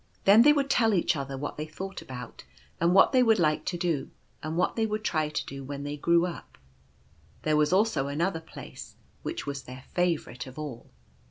Then they would tell each other what they thought about, and what they would like to do, and what they would try to do when they grew up. There was also another place, which was their favourite of all.